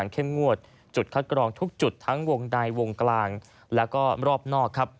เข้มงวดจุดคัดกรองทุกจุดทั้งวงใดวงกลางแล้วก็รอบนอกครับ